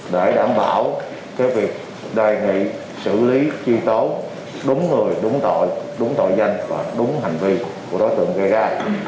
để đảm bảo việc đề nghị xử lý truy tố đúng người đúng tội đúng tội danh và đúng hành vi của đối tượng gây ra